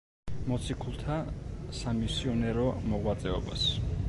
მოციქულთა სამისიონერო მოღვაწეობას.